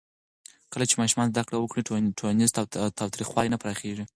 کله چې ماشومان زده کړه وکړي، ټولنیز تاوتریخوالی نه پراخېږي.